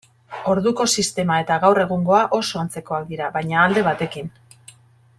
Orduko sistema eta gaur egungoa oso antzekoak dira, baina alde batekin.